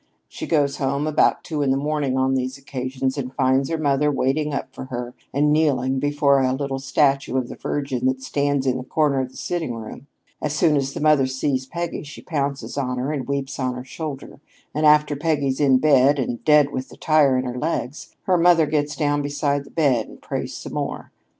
She gets home about two in the morning on these occasions and finds her mother waiting up for her and kneeling before a little statue of the Virgin that stands in the corner of the sitting room. As soon as the mother sees Peggy, she pounces on her and weeps on her shoulder, and after Peggy's in bed and dead with the tire in her legs, her mother gets down beside the bed and prays some more.